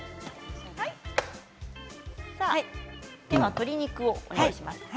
鶏肉をお願いします。